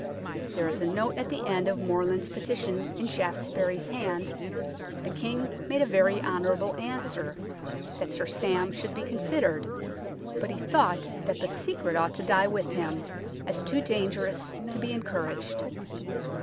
There is a note at the end of Morland's petition in Shaftesbury's hand :" The King made a very honourable answer, that Sir Sam should be considered, but he thought that the secret ought to die with him, as too dangerous to be encouraged."